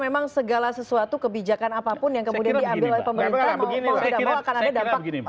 memang segala sesuatu kebijakan apapun yang kemudian diambil oleh pemerintah mau begini